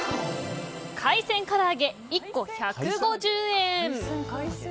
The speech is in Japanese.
海鮮唐揚げ、１個１５０円。